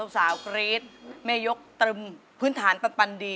สาวกรี๊ดแม่ยกตรึมพื้นฐานปันดี